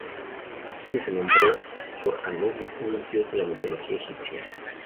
Más adelante se nombró por Anubis, un dios de la mitología egipcia.